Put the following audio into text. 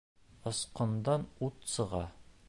Осҡондан ут сыға.